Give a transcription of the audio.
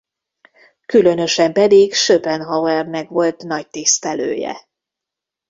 Különösen pedig Schopenhauernek volt nagy tisztelője.